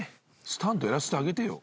スタントやらせてあげてよ。